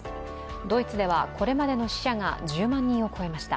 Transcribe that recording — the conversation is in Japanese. ドイツではこれまでの死者が１０万人を超えました。